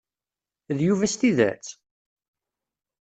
D Yuba s tidet?